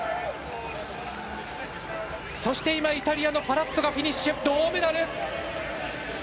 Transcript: そして、イタリアのパラッツォがフィニッシュ、銅メダル。